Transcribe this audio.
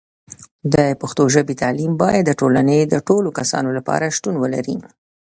د پښتو ژبې تعلیم باید د ټولنې د ټولو کسانو لپاره شتون ولري.